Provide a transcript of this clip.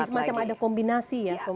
jadi semacam ada kombinasi ya